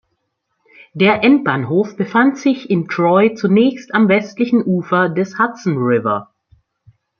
Der Endbahnhof befand sich in Troy zunächst am westlichen Ufer des Hudson River.